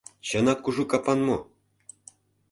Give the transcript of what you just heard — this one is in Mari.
Чынак кужу капан мо?